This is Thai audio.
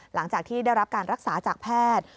หลังจากที่ได้รับการรักษาจากแพทย์